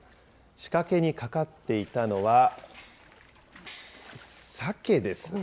仕掛けにかかっていたのは、サケです。